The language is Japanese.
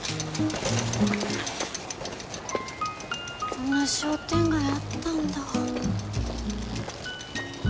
こんな商店街あったんだ。